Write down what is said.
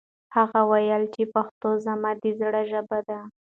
هغه وویل چې پښتو زما د زړه ژبه ده.